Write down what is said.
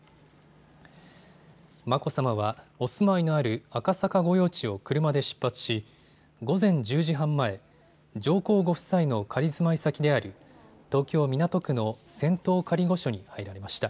眞子さまはお住まいのある赤坂御用地を車で出発し午前１０時半前、上皇ご夫妻の仮住まい先である東京港区の仙洞仮御所に入られました。